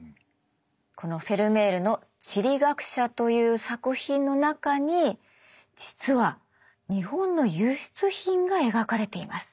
このフェルメールの「地理学者」という作品の中に実は日本の輸出品が描かれています。